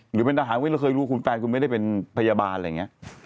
หรือเป็นถ่ายพูดหน้าว่าฝั่งคุณไม่ได้เป็นพยาบาลอะไรอย่างนี้